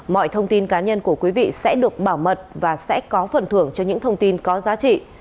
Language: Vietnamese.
mọi thông tin cá nhân của quý vị sẽ được bảo mật và sẽ có phần thưởng cho những thông tin có giá trị